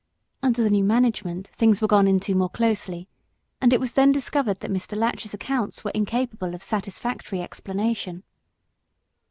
Under the new management things were gone into more closely, and it was then discovered that Mr. Latch's accounts were incapable of satisfactory explanation.